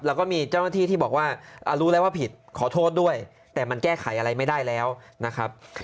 แล้วก็มีเจ้าหน้าที่ที่บอกว่ารู้แล้วว่าผิดขอโทษด้วยแต่มันแก้ไขอะไรไม่ได้แล้วนะครับ